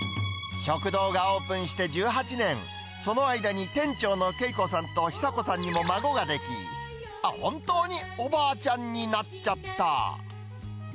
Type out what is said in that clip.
食堂がオープンして１８年、その間に店長の敬子さんと久子さんにも孫が出来、本当におばあちゃんになっちゃった。